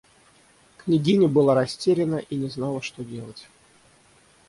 Княгиня была растеряна и не знала, что делать.